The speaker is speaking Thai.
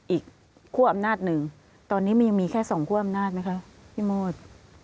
อีกคั่วอำนาจหนึ่งตอนนี้มันยังมีแค่สองคั่วอำนาจไหมคะพี่โมด